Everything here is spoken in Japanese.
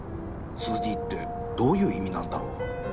２Ｄ ってどういう意味なんだろう